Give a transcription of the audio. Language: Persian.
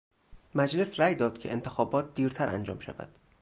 مجلس رای داد که انتخابات دیرتر انجام شود.